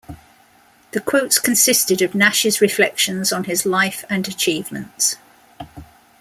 The quotes consisted of Nash's reflections on his life and achievements.